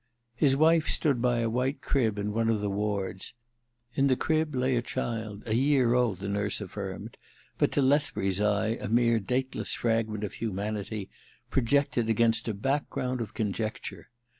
His wife stood by a white crib in one of the wards. In the crib lay a child, a year old, the ' J n THE MISSION OF JANE 171 nurse affirmed, but to Lethbury*s eye a mere dateless fragment of humanity projected against a background of conjecture.